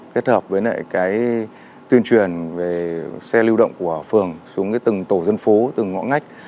kết hợp với tuyên truyền về xe lưu động của phường xuống từng tổ dân phố từng ngõ ngách